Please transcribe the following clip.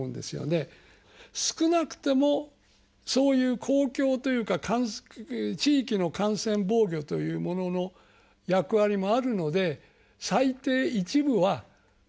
少なくてもそういう公共というか地域の感染防御というものの役割もあるので最低一部は国の税金が入るということ。